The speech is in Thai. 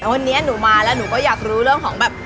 วันนี้หนูมาแล้วหนูก็อยากรู้เรื่องของแบบ